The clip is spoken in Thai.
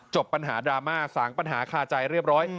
จบปัญหาดราม่าสางปัญหาคาใจเรียบร้อย